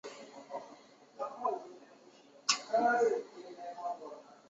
玄孙毛堪。